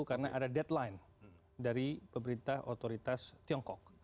karena ada deadline dari pemerintah otoritas tiongkok